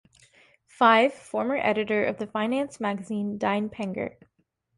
Five, former editor of the finance magazine "Dine Penger".